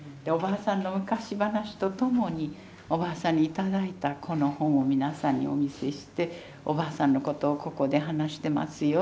おばあさんの昔話とともにおばあさんに頂いたこの本を皆さんにお見せしておばあさんのことをここで話してます